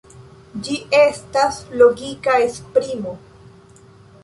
Ĝi estas logika esprimo.